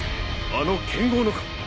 あの剣豪のか？